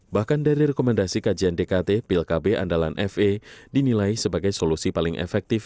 bahkan dari rekomendasi kajian dkt pil kb andalan fa dinilai sebagai solusi paling efektif